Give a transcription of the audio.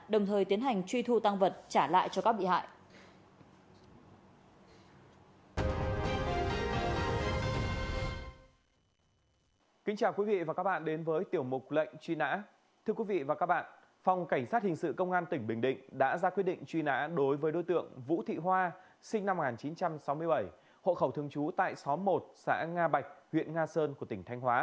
đồng thời tiến hành truy thu tăng vật trả lại cho các bị hại